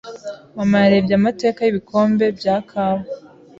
Mama yarebye amateka yibikombe bya kawa.